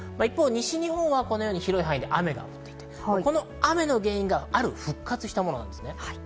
西日本は広い範囲で雨が降っていて、この雨の原因がある復活したものです。